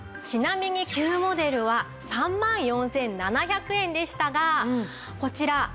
ちなみに旧モデルは３万４７００円でしたがこちら